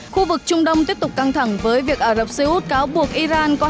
khu vực trung đông tiếp tục căng thẳng với việc ả rập xê út cáo buộc iran có